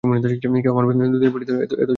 কেউ আমার দুধের বুটিতে এত জোরে চিমটি কাটেনি।